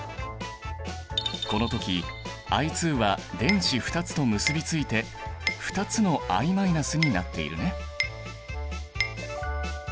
この時Ｉは電子２つと結びついて２つのＩになっているね。